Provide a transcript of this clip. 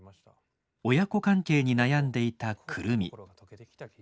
親子関係に悩んでいた久留美。